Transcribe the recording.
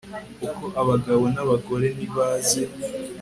uko abagabo nabagore ni baze